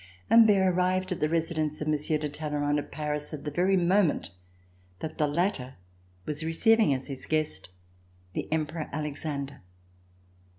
Humbert arrived at the residence of Monsieur de Talleyrand, at Paris, at the very moment that the latter was receiving as his guest the Emperor Alexander.